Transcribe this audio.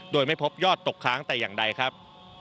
โดยไม่พบยอดตกค้างแต่อย่างใดครับ